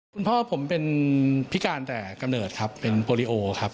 คุณพ่อผมเป็นพิการแต่กำเนิดครับเป็นโปรลิโอครับ